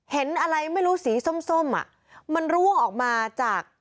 เห็นอะไรไม่รู้สีส้มอ่ะมันรั่วออกมาจาก